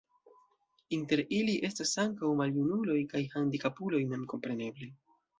Inter ili estas ankaŭ maljunuloj kaj handikapuloj memkompreneble.